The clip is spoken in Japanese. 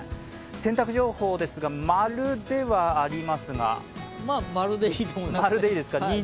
洗濯情報ですが、○ではありますがまあ、○でいいと思います。